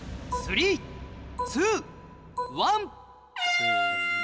せの。